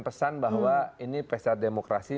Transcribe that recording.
pesan bahwa ini pesta demokrasi